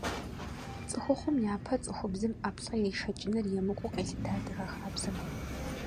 ЦӀыхухъум япэ цӀыхубзым ӀэплӀэ иришэкӀыныр емыкӀуу къелъытэ адыгэ хабзэм.